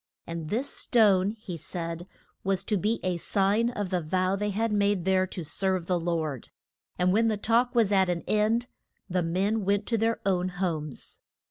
And this stone, he said, was to be a sign of the vow they had made there to serve the Lord. And when the talk was at an end, the men went to their own homes.